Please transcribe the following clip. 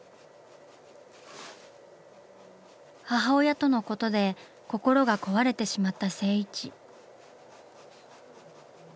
母親とのことで心が壊れてしまった静一。